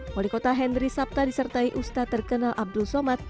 wali kota henry sabta disertai ustadz terkenal abdul somad